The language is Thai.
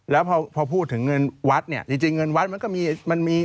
แล้วพอพูดถึงเงินวัฒน์เนี่ยจริงเงินวัฒน์มันก็มี